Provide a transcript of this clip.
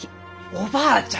おばあちゃん！